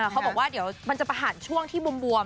เค้าบอกว่ามันจะประหารช่วงที่บวม